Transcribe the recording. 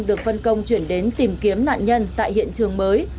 được phân công chuyển đến tìm kiếm nạn nhân tại hiện trường mới